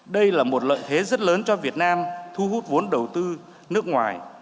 đây là một lợi thế rất lớn cho việt nam thu hút vốn đầu tư nước ngoài